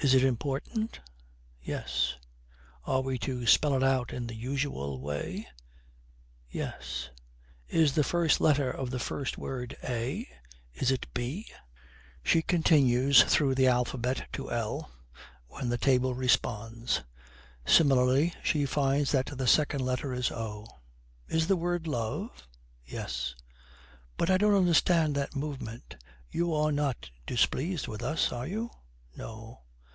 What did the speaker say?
Is it important? Yes. Are we to spell it out in the usual way? Yes. Is the first letter of the first word A? Is it B?' She continues through the alphabet to L, when the table responds. Similarly she finds that the second letter is O. 'Is the word Love? Yes. But I don't understand that movement. You are not displeased with us, are you? No.